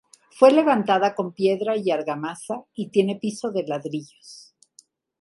Fue levantada con piedra y argamasa y tiene piso de ladrillos.